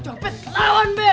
loh pet lawan be